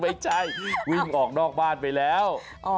ใจวิ่งออกนอกบ้านไปแล้ว